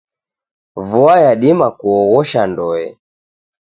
Vua yadima kuoghosha ndoe.